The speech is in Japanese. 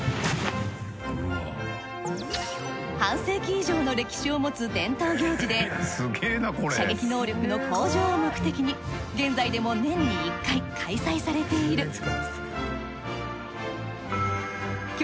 半世紀以上の歴史を持つ伝統行事で射撃能力の向上を目的に現在でも年に１回開催されている。